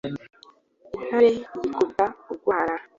intare iyikubita urwara